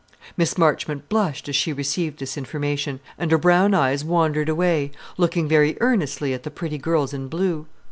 Miss Marchmont blushed as she received this information, and her brown eyes wandered away, looking very earnestly at the pretty girls in blue.